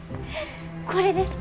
これですか？